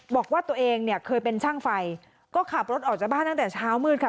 บอกว่าตัวเองเนี่ยเคยเป็นช่างไฟก็ขับรถออกจากบ้านตั้งแต่เช้ามืดค่ะ